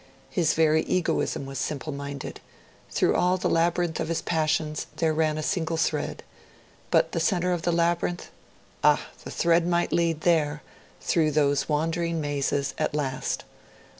His very egoism was simple minded; through all the labyrinth of his passions there ran a single thread. But the centre of the labyrinth? Ah! the thread might lead there, through those wandering mazes, at last.